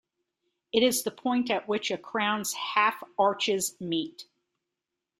It is the point at which a crown's half arches meet.